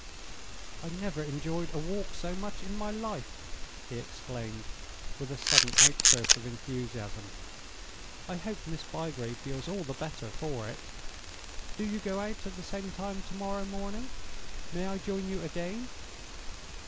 "I never enjoyed a walk so much in my life!" he exclaimed, with a sudden outburst of enthusiasm. "I hope Miss Bygrave feels all the better, for it. Do you go out at the same time to morrow morning? May I join you again?"